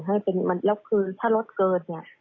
แล้วคือถ้ารถเกิดเนี่ย